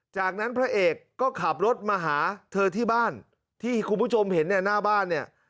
จากนั้นพระเอกก็ขับรถมาหาเธอที่บ้านที่คุณผู้ชมเห็นเนี่ยหน้าบ้านเนี่ย